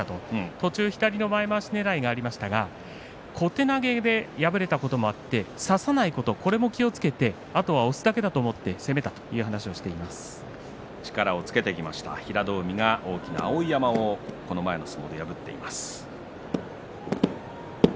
途中、左の前まわしねらいがありましたが小手投げで敗れたこともあって差さないことこれにも気をつけて、あとは押すだけだと思って攻めた力をつけてきました平戸海が、大きな碧山をこの前の相撲で破っています。